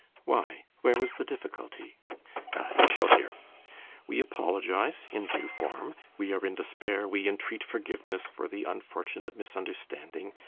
"Why, where was the difficulty?" "Ah, you shall hear.... We apologize in due form: we are in despair, we entreat forgiveness for the unfortunate misunderstanding.